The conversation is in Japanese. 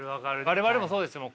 我々もそうでしたもん。